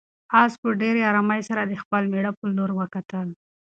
آس په ډېرې آرامۍ سره د خپل مېړه په لور وکتل.